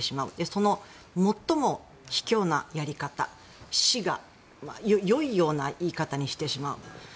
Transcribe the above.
その最も卑怯なやり方死がよいような言い方にしてしまう。